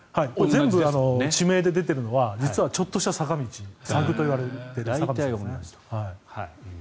全部、地名で出ているのはちょっとした坂道サグと呼ばれる坂道ですね。